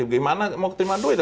gimana mau terima duit